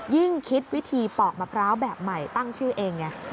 ยิ่งคิดวิธีปอกมะพร้าวแบบใหม่ตั้งชื่อเองไง